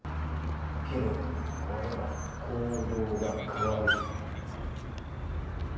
気分が変われば行動が変わる。